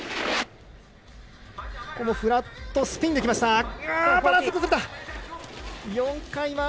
フラットスピンできました。